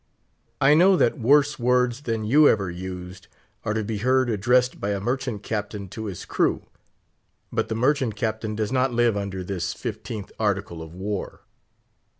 I know that worse words than you ever used are to be heard addressed by a merchant captain to his crew; but the merchant captain does not live under this XVth Article of War.